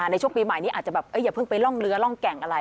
ในช่วงปีใหม่นี้อาจจะแบบอย่าเพิ่งไปร่องเรือร่องแก่งอะไร